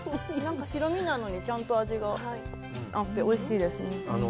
白身なのにちゃんと味があって、おいしいですね。